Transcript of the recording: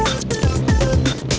wah keren banget